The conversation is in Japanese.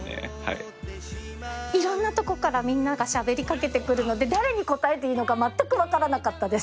いろんなとこからみんながしゃべりかけてくるので誰に答えていいのかまったく分からなかったです。